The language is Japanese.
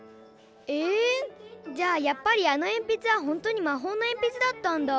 えじゃあやっぱりあのえんぴつはほんとにまほうのえんぴつだったんだ。